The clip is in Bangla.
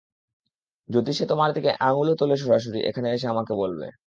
যদি সে তোমার দিকে আঙুলও তোলে সরাসরি এখানে এসে আমাকে বলবে।